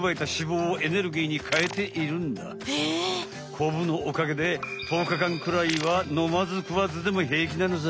コブのおかげで１０日間くらいはのまずくわずでも平気なのさ。